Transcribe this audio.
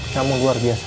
kamu luar biasa